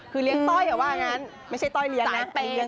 คือเรียกต้อยอ่ะไม่ใช่ต้อยเรียนนั่ง